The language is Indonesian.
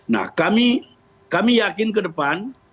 nah kami yakin ke depan